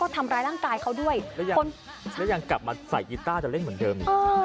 ทำร้ายร่างกายเขาด้วยแล้วยังกลับมาใส่กีต้าจะเล่นเหมือนเดิม